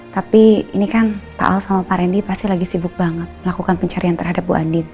tapi ini kan taal sama pak randy pasti lagi sibuk banget melakukan pencarian terhadap bu andi